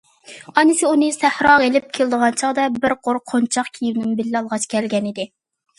ئانىسى ئۇنى سەھراغا ئېلىپ كېلىدىغان چاغدا بىر قۇر قونچاق كىيىمىنىمۇ بىللە ئالغاچ كەلگەنىدى.